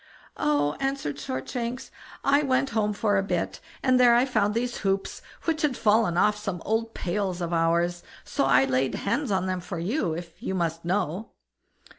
"Oh!" answered Shortshanks, "I went home for a bit, and there I found these hoops, which had fallen off some old pails of ours, so I laid hands on them for you, if you must know."